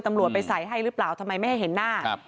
ตำรวจไปใส่ให้หรือเปล่าทำไมไม่ให้เห็นหน้า